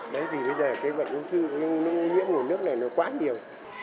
đấy vì bây giờ cái bệnh ung thư nhiễm nguồn nước này nó quá nhiều